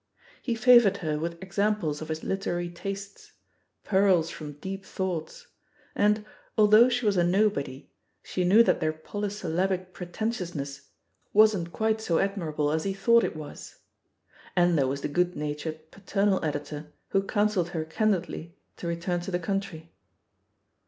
He favoured her with examples of his literary tastes — ^pearls from deep thoughts — ^and, although she was a nobody, she knew that their polysyllabic pretentiousness wasn't quite so ad 200 THE POSITION OP PEGGY HARPER mirable as he tHought it was. And there was the good natured, paternal Editor who counselled her candidly to return to the country.